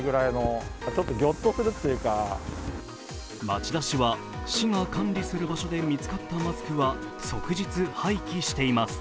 町田市は市が管理する場所で見つかったマスクは即日、廃棄しています。